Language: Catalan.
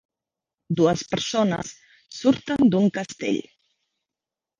Dues persones surten d'un castell.